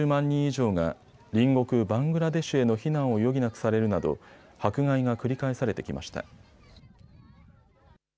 人以上が隣国バングラデシュへの避難を余儀なくされるなど迫害が繰り返されてきました。